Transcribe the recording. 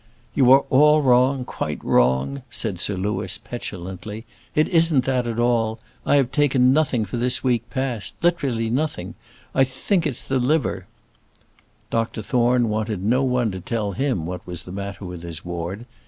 "You are all wrong, quite wrong," said Sir Louis, petulantly; "it isn't that at all. I have taken nothing this week past literally nothing. I think it's the liver." Dr Thorne wanted no one to tell him what was the matter with his ward.